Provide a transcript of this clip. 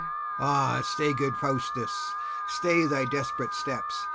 Ah, stay, good Faustus, stay thy desperate steps!